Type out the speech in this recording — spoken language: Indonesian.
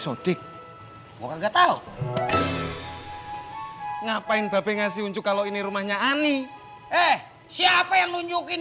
sodiq nggak tahu ngapain babi ngasih unjuk kalau ini rumahnya ani eh siapa yang nunjukin